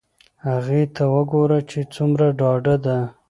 هغې ته وگوره چې څومره ډاډه ده.